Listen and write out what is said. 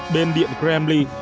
bên điện kremlin